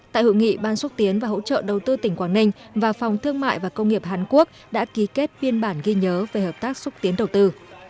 tại hội nghị ban xuất tiến và hỗ trợ đầu tư tỉnh quảng ninh và phòng thương mại và công nghiệp hàn quốc đã ký kết biên bản ghi nhớ về hợp tác xúc tiến đầu tư